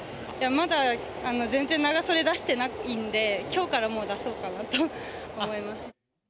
まだ全然、長袖出してないんで、きょうからもう、出そうかなと思います。